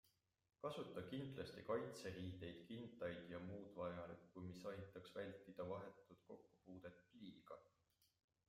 Kasuta kindlasti kaitseriideid, kindaid jm vajalikku, mis aitaks vältida vahetut kokkupuudet pliiga.